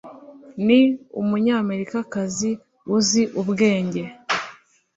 ni umunyamerikazi uzi ubwenge